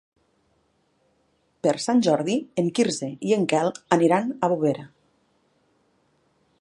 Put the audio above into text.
Per Sant Jordi en Quirze i en Quel aniran a Bovera.